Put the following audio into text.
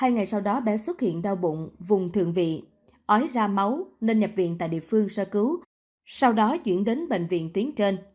hai ngày sau đó bé xuất hiện đau bụng vùng thượng vị ói ra máu nên nhập viện tại địa phương sơ cứu sau đó chuyển đến bệnh viện tuyến trên